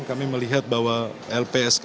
kami melihat bahwa lpsk